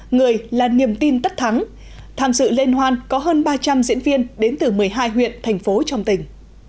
người là niềm tin tất thắng tham dự liên hoan có hơn ba trăm linh diễn viên đến từ một mươi hai huyện thành phố trong tỉnh